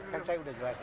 kan saya sudah jelasin